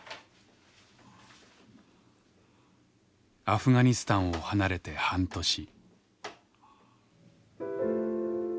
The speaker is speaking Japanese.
アフガニスタンを離れて半年。